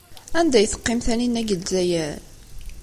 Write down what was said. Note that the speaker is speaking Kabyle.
Anda ay teqqim Taninna deg Lezzayer?